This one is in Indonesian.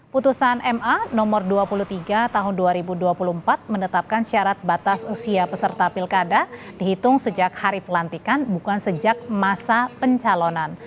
putusan ma nomor dua puluh tiga tahun dua ribu dua puluh empat menetapkan syarat batas usia peserta pilkada dihitung sejak hari pelantikan bukan sejak masa pencalonan